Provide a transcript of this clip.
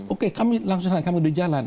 oke langsung saja kami di jalan